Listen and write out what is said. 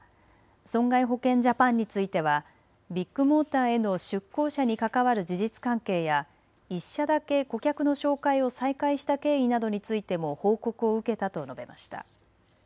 損害保険ジャパンについてはビッグモーターへの出向者に関わる事実関係や１社だけ顧客の紹介を再開した経緯などについても報告を受けたと述べました。